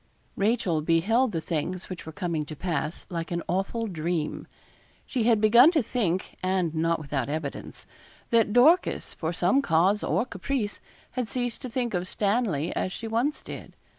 Rachel beheld the things which were coming to pass like an awful dream. She had begun to think, and not without evidence, that Dorcas, for some cause or caprice, had ceased to think of Stanley as she once did.